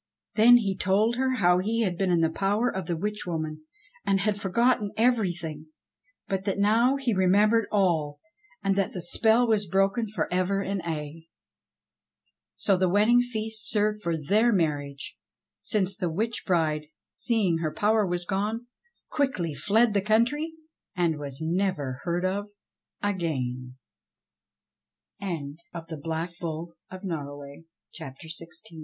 Then he told her how he had been in the power of the witch woman and had forgotten everything, but that now he remembered all and that the spell was broken for ever and aye. So the wedding feast served for their marriage, since the witch bride, seeing her power was gone, quickly fled the country and was never